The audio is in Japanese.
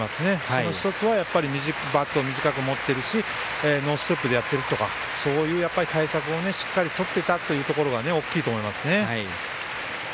その１つはバットを短く持っているしノーステップでやっているとかそういう対策をしっかりとっていたことが大きいと思いますね。